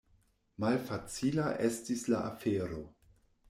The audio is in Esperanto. Malfacila estis la afero.